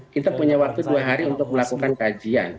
kita punya waktu dua hari untuk melakukan kajian